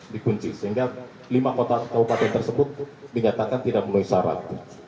dikunci sehingga lima kota kabupaten tersebut dinyatakan tidak menisarat